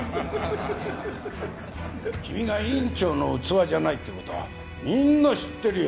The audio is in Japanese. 君が院長の器じゃないって事はみんな知ってるよ。